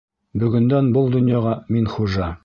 Бөгөндән был донъяға мин хужа!